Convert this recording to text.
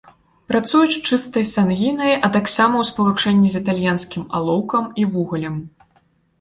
Працуюць чыстай сангінай, а таксама ў спалучэнні з італьянскім алоўкам і вугалем.